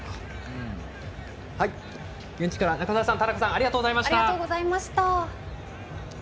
現地から中澤さん、田中さんありがとうございました。